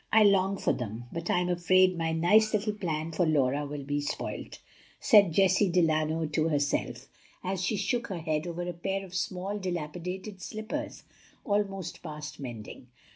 I long for them, but I'm afraid my nice little plan for Laura will be spoilt," said Jessie Delano to herself, as she shook her head over a pair of small, dilapidated slippers almost past mending.